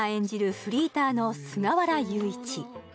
フリーターの菅原裕一